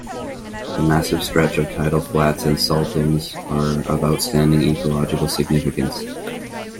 The massive stretch of tidal flats and saltings are of outstanding ecological significance.